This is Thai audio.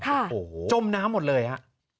อ่าจมน้ำหมดเลยฮะ